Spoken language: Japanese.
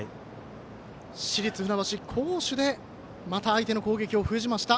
市立船橋好守で相手の攻撃を封じました。